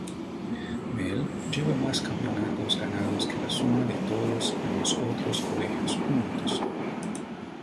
Mel lleva más campeonatos ganados que la suma de todos los otros colegios juntos.